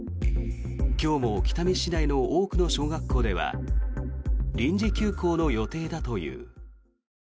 今日も北見市内の多くの小学校では臨時休校の予定だという。